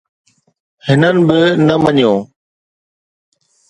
هنن به نه مڃيو.